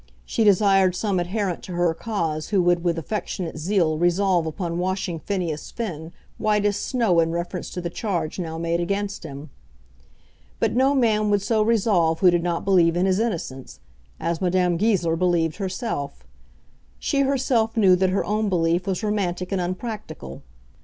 She desired some adherent to her cause who would with affectionate zeal resolve upon washing Phineas Finn white as snow in reference to the charge now made against him. But no man would so resolve who did not believe in his innocence, as Madame Goesler believed herself. She herself knew that her own belief was romantic and unpractical.